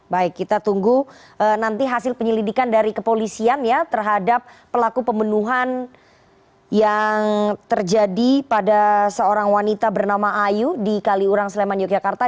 baik kita tunggu nanti hasil penyelidikan dari kepolisian ya terhadap pelaku pemenuhan yang terjadi pada seorang wanita bernama ayu di kaliurang sleman yogyakarta